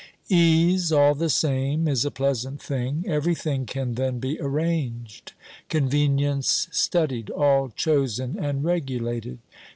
Ease, all the same, is a pleasant thing. Everything can then be arranged, convenience studied, all chosen and regulated.